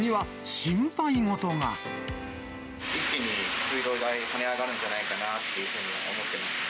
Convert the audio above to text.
一気に水道代、はね上がるんじゃないかなっていうふうに思ってますね。